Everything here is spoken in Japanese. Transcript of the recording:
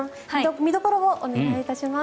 見どころをお願いします。